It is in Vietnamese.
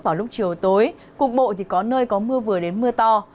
vào lúc chiều tối cục bộ thì có nơi có mưa vừa đến mưa to